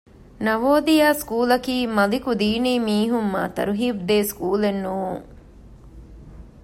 ނަވޯދިޔާ ސްކޫލަކީ މަލިކުގެ ދީނީމީހުން މާ ތަރުހީބުދޭ ސްކޫލެއް ނޫން